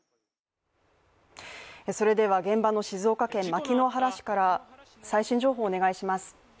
それでは現場の静岡県牧之原市から最新情報をお願いします。